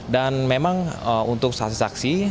dan memang untuk saksi saksi